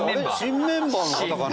新メンバーの方かな。